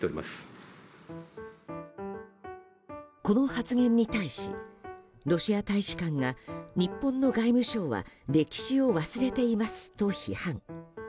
この発言に対しロシア大使館が日本の外務省は歴史を忘れていますと批判。